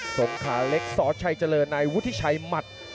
สงขาเล็กสชัยเจริญในวุฒิชัยหมัด